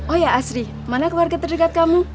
oh ya asri mana keluarga terdekat kamu